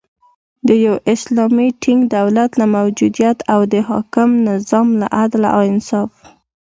د یو اسلامی ټینګ دولت له موجودیت او د حاکم نظام له عدل، انصاف